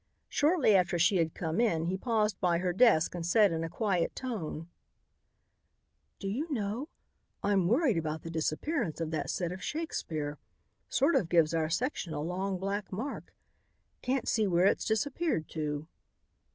Shortly after she had come in he paused by her desk and said in a quiet tone: "Do you know, I'm worried about the disappearance of that set of Shakespeare. Sort of gives our section a long black mark. Can't see where it's disappeared to."